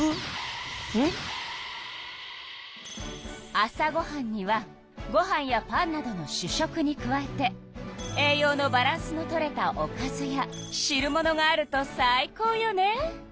朝ごはんにはごはんやパンなどの主食に加えて栄養のバランスのとれたおかずや汁物があると最高よね。